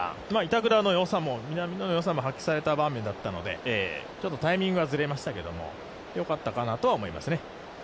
板倉の良さも南野の良さも発揮された場面だったのでタイミングはずれましたけど、良かったかなとは思いますね。